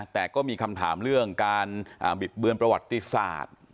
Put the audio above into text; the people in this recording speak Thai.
แต่ก็มีคำถามเรื่องการบิดเบือนประวัติศาสตร์